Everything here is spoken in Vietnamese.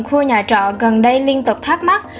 khu nhà trọ gần đây liên tục thắc mắc